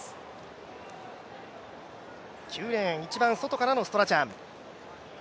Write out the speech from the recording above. ９レーン、一番外からのストラチャン。